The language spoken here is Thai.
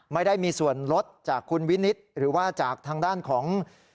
ไม่ได้มีส่วนลดจากคุณวินิตหรือว่าจากทางด้านของ